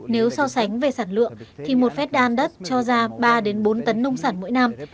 nếu so sánh về sản lượng thì một phép đan đất cho ra ba bốn tấn nông sản mỗi năm